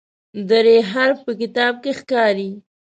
د "ر" حرف په کتاب کې ښکاري.